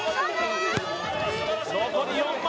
残り４枚。